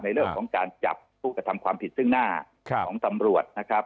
ในเรื่องของการจับผู้กระทำความผิดซึ่งหน้าของตำรวจนะครับ